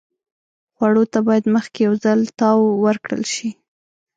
خوړو ته باید مخکې یو ځل تاو ورکړل شي.